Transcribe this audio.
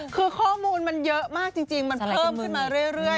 คือข้อมูลมันเยอะมากจริงมันเพิ่มขึ้นมาเรื่อย